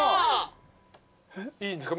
いいですか？